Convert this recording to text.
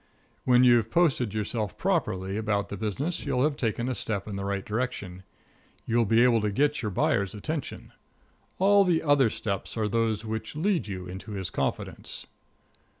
When you've posted yourself properly about the business you'll have taken a step in the right direction you will be able to get your buyer's attention. All the other steps are those which lead you into his confidence.